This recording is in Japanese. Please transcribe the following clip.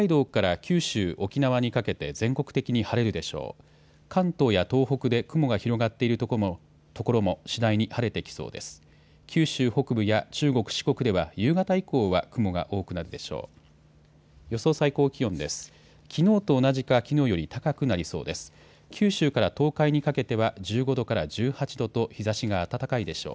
九州北部や中国、四国では夕方以降は雲が多くなるでしょう。